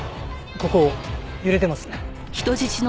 ここ揺れてますね。